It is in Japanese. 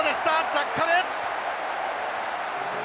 ジャッカル！